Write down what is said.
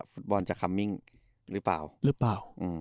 ฟุตบอลจะมาหรือเปล่า